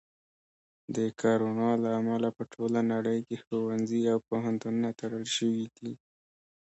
د کرونا له امله په ټوله نړۍ کې ښوونځي او پوهنتونونه تړل شوي دي.